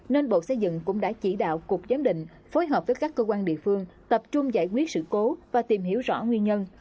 nên bộ xây dựng cũng đã chỉ đạo cục giám định phối hợp với các cơ quan địa phương tập trung giải quyết sự cố và tìm hiểu rõ nguyên nhân